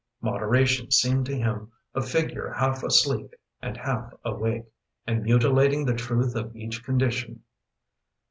Moderation seemed to him A figure half asleep and half awake And mutilating the truth of each condition.